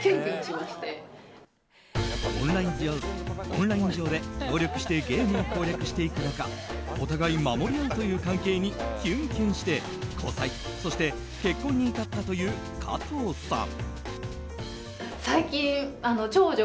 オンライン上で協力してゲームを攻略していく中お互い守り合うという関係にキュンキュンして交際、そして結婚に至ったという加藤さん。